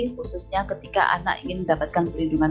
khususnya ketika anak ingin mendapatkan perlindungan